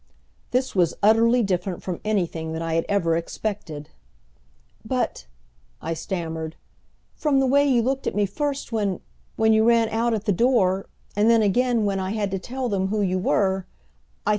This was utterly different from anything that I had ever expected! "But," I stammered, "from the way you looked at me first when when you ran out at the door, and then again when, I had to tell them who you were!